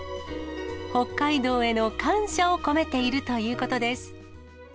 北海道への感謝を込めているということです。